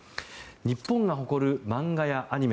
日本が誇る漫画やアニメ。